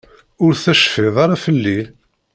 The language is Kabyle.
Ur tecfiḍ ara fell-i?